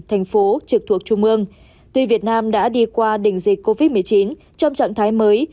thành phố trực thuộc trung ương tuy việt nam đã đi qua đỉnh dịch covid một mươi chín trong trạng thái mới